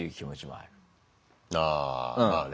ああまあね。